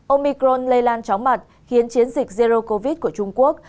omicron lây lan chóng mặt khiến chiến dịch zerocovid của trung quốc